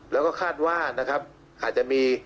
แล้วก็คาดว่านะครับอาจจะมี